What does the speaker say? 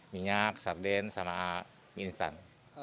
minyak sarden sama mie instan